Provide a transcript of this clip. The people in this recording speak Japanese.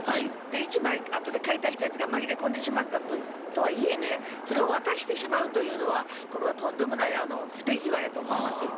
１枚あとで買い足したやつが紛れ込んでしまったとはいえねそれを渡してしまうというのはこれはとんでもない不手際やと思います。